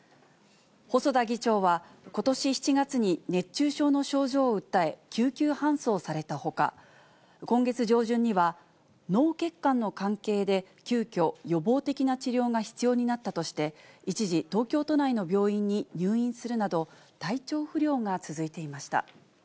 細田議長はことし７月に、熱中症の症状を訴え、救急搬送されたほか、今月上旬には、脳血管の関係で、急きょ予防的な治療が必要になったとして、一時、東京都内の病院に入院するなど、体調不良が続いていました。